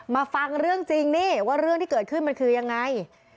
ฟังเรื่องจริงนี่ว่าเรื่องที่เกิดขึ้นมันคือยังไง